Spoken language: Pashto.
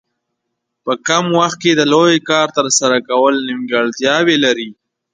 په کم وخت کې د لوی کار ترسره کول نیمګړتیاوې لري.